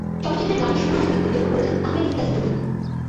চলচ্চিত্রের গানের সুর ও সঙ্গীত পরিচালনা করেছেন আহমেদ ইমতিয়াজ বুলবুল।